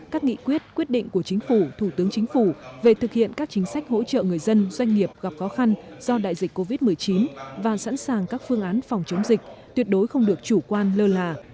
các nghị quyết quyết định của chính phủ thủ tướng chính phủ về thực hiện các chính sách hỗ trợ người dân doanh nghiệp gặp khó khăn do đại dịch covid một mươi chín và sẵn sàng các phương án phòng chống dịch tuyệt đối không được chủ quan lơ là